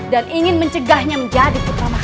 dan ingin mencegahnya menjadi putra mahku